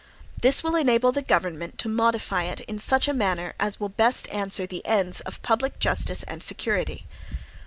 This will enable the government to modify it in such a manner as will best answer the ends of public justice and security.